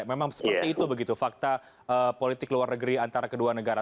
memang seperti itu begitu fakta politik luar negeri antara kedua negara